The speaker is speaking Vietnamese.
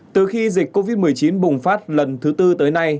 từ khi dịch covid một mươi chín bùng phát lần thứ tư tới nay